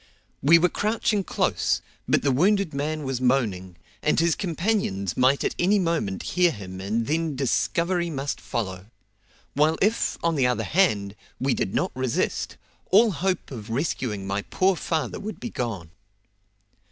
We were crouching close, but the wounded man was moaning, and his companions might at any moment hear him and then discovery must follow; while if, on the other hand, we did not resist, all hope of rescuing my poor father would be gone.